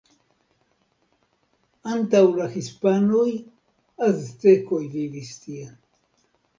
Antaŭ la hispanoj aztekoj vivis tie.